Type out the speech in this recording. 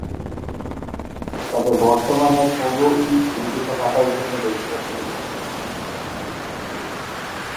তবে বর্তমানে কোগো-ই লিখিত ভাষা হিসেবে বেশি প্রচলিত।